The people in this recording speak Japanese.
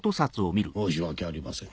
申し訳ありません。